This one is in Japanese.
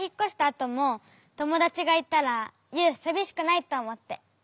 あともともだちがいたらユウさびしくないとおもって。